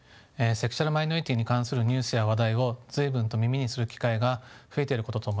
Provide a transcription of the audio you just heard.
セクシュアルマイノリティーに関するニュースや話題を随分と耳にする機会が増えていることと思います。